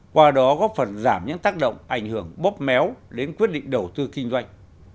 qua đó góp phần giảm những tác động ảnh hưởng bóp méo đến quyết định đầu tư kinh doanh